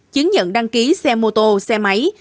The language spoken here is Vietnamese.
chứng nhận đăng ký xe mô tô xe máy